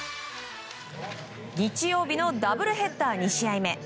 日曜日のダブルヘッダー２試合目。